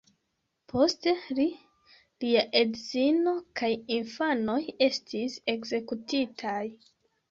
Poste li, lia edzino kaj infanoj estis ekzekutitaj.